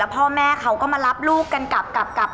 พ่อแม่เขาก็มารับลูกกันกลับ